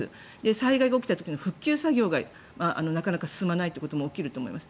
災害が起きた時の復旧作業がなかなか進まないことも起きると思います。